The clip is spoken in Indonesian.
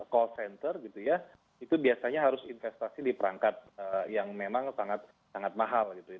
call center gitu ya itu biasanya harus investasi di perangkat yang memang sangat mahal gitu ya